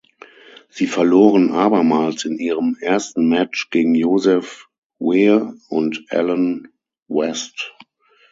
Sie verloren abermals in ihrem ersten Match gegen Joseph Wear und Allen West.